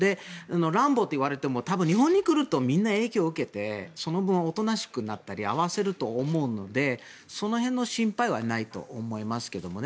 ランボーと言われても日本に来るとみんな影響を受けてその分、おとなしくなったり合わせると思うのでその辺の心配はないと思いますけどもね。